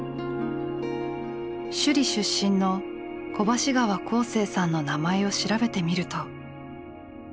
首里出身の小橋川興盛さんの名前を調べてみると。